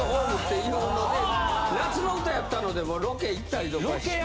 夏の歌やったのでロケ行ったりとかして。